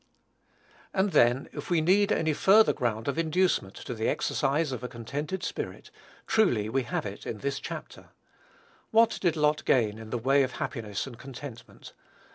And then, if we need any further ground of inducement to the exercise of a contented spirit, truly we have it in this chapter. What did Lot gain in the way of happiness and contentment?